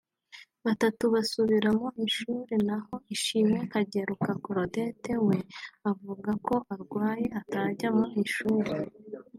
batatu basubira mu ishuri naho Ishimwe Kageruka Claudette we avuga ko arwaye atajya mu ishuri